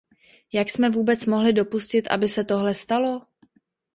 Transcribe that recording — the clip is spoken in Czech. Jak jsme vůbec mohli dopustit, aby se tohle stalo?